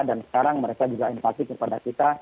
dan sekarang mereka juga empati kepada kita